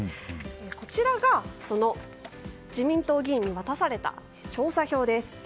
こちらが自民党議員に渡された調査票です。